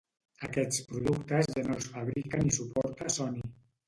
Aquests productes ja no els fabrica ni suporta Sony.